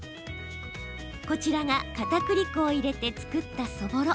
こちらが、かたくり粉を入れて作ったそぼろ。